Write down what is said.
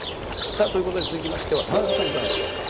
さあ、ということで続きましては、田中さん、いかがでしょうか。